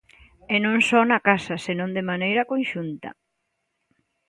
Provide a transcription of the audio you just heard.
E non só na casa, senón de maneira conxunta.